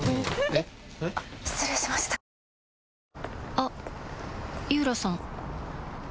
あっ井浦さん